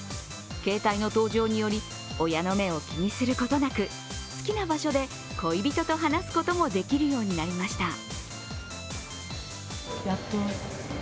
ケータイの登場により、親の目を気にすることなく好きな場所で恋人と話すこともできるようになりました。